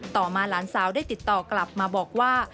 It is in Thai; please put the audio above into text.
ต่อมาหลานสาวได้ติดต่อกลับมาบอกว่า